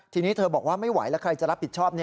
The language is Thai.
ทีนี้เธอบอกว่าไม่ไหวแล้วใครจะรับผิดชอบ